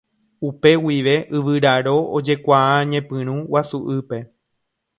Upe guive Yvyraro ojekuaa ñepyrũ Guasu'ýpe.